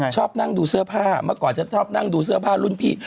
ชอบนั่งดูเสื้อผ้าเมื่อก่อนฉันชอบนั่งดูเสื้อผ้ารุ่นพี่